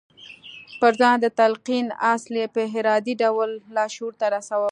پر ځان د تلقين اصل يې په ارادي ډول لاشعور ته رسوي.